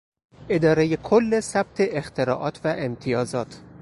ادارهی کل ثبت اختراعات و امتیازات